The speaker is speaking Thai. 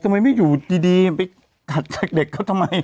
ทำไมไม่อยู่ดีไปกัดจากเด็กเขาทำไม